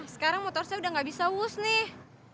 sekarang motor saya udah gak bisa wush nih